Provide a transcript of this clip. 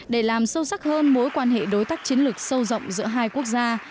để làm sâu sắc hơn mối quan hệ đối tác chiến lược sâu rộng giữa hai quốc gia